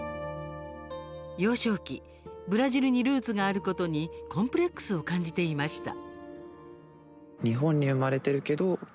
幼少期ブラジルにルーツがあることにコンプレックスを感じていました。